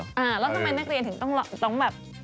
แล้วทำไมนักเรียนถึงต้องแบบ